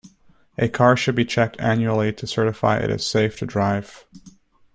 A car should be checked annually to certify it is safe to drive.